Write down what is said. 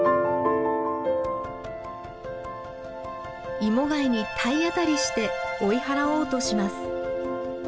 イモガイに体当たりして追い払おうとします。